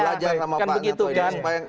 nanti di kampung ini harus belajar sama pak